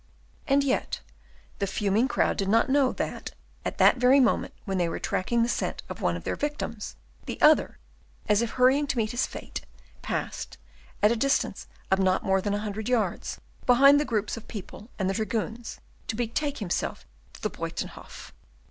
And yet the fuming crowd did not know that, at that very moment when they were tracking the scent of one of their victims, the other, as if hurrying to meet his fate, passed, at a distance of not more than a hundred yards, behind the groups of people and the dragoons, to betake himself to the Buytenhof.